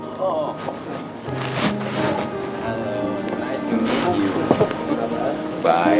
apa apa ada kendaraan bazu ano